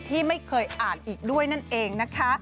ที่ไม่เคยอ่านอีกด้วยนั่นเองนะคะ